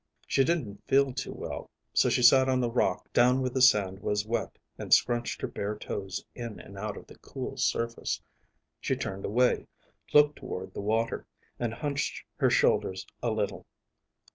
She didn't feel too well, so she sat on a rock down where the sand was wet and scrunched her bare toes in and out of the cool surface. She turned away, looked toward the water, and hunched her shoulders a little.